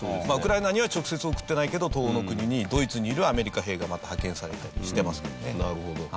ウクライナには直接送ってないけど東欧の国にドイツにいるアメリカ兵がまた派遣されたりしてますもんね。